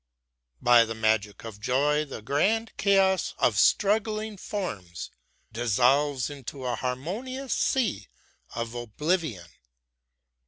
By the magic of joy the grand chaos of struggling forms dissolves into a harmonious sea of oblivion.